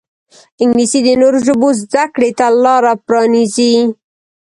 انګلیسي د نورو ژبو زده کړې ته لاره پرانیزي